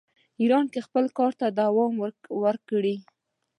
ایران کې خپل کار ته دوام ورکړي.